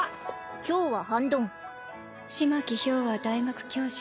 今日は半ドン風巻豹は大学教授。